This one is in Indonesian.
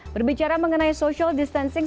berbicara mengenai social distancing